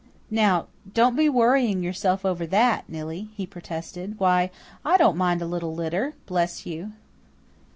"Now don't be worrying yourself over that, Nillie," he protested. "Why, I don't mind a litter, bless you!"